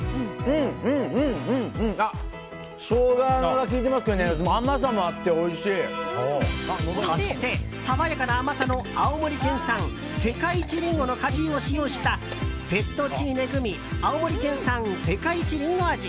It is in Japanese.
ショウガが効いてますけどそして、爽やかな甘さの青森県産世界一りんごの果汁を使用したフェットチーネグミ青森産世界一りんご味。